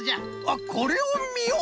あっこれをみよ！